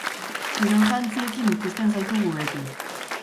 Kirol jantziekin ikusten zaitugu beti.